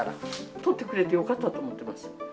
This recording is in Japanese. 取ってくれてよかったと思ってます。